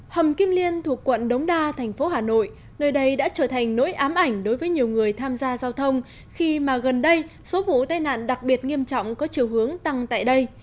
hầm kim liên thuộc quận đống đa thành phố hà nội nơi đây đã trở thành nỗi ám ảnh đối với nhiều người tham gia giao thông khi mà gần đây số vụ tai nạn đặc biệt nghiêm trọng có chiều hướng tăng tại đây